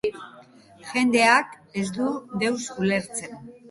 Jendeak ez du deus ulertzen.